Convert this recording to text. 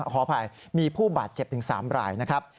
ขออภัยมีผู้บาดเจ็บถึง๓รายนะครับ